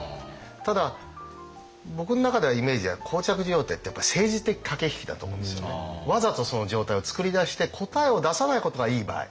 ただ僕の中ではイメージではわざとその状態を作り出して答えを出さないことがいい場合。